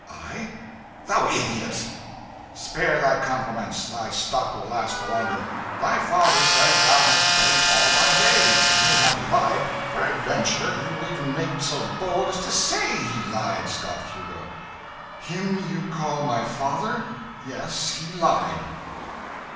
"I? Thou idiot!" "Spare thy compliments thy stock will last the longer. Thy father says thou hast begged all thy days. Mayhap he lied. Peradventure you will even make so bold as to say he lied," scoffed Hugo. "Him you call my father? Yes, he lied."